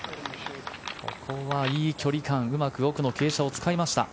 ここはいい距離感うまくの傾斜を使いました。